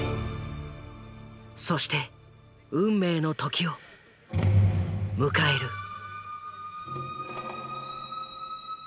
そして運命の時を迎える。